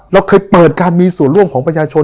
เราเคยเปิดการมีส่วนร่วมของประชาชน